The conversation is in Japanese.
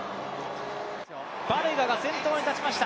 バレガが先頭に立ちました。